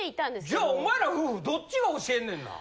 じゃあお前ら夫婦どっちが教えんねんな？